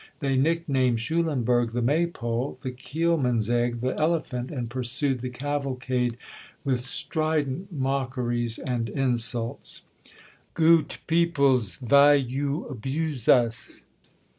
They nicknamed Schulenburg the "Maypole," and Kielmansegg the "Elephant," and pursued the cavalcade with strident mockeries and insults. "Goot peoples, vy you abuse us?"